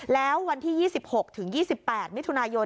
แล้ววันที่๒๖ถึง๒๘มิถุนายน